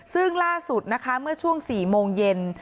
ซึ่งล่าสุดนะคะเมื่อช่วง๔โมงเย็น